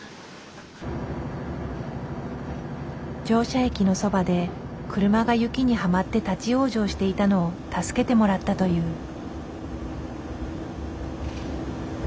乗車駅のそばで車が雪にはまって立往生していたのを助けてもらったという。